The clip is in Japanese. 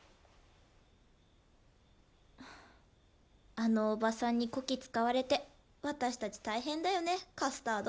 あのおばさんにこき使われて私たち大変だよねカスタード。